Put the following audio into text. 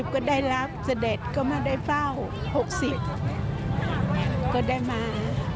ถึงในชีวิตเกาะ